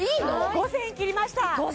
５０００円切りました